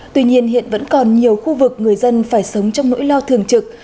tuy nhiên hiện vẫn còn nhiều khu vực người dân phải sống trong nỗi lo thường trực